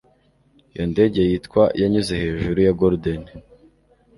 iyo ndege yitwa yanyuze hejuru ya golden